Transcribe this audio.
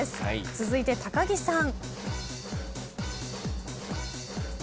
続いて木さん。